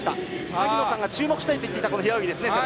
萩野さんが注目したいと言っていた平泳ぎ。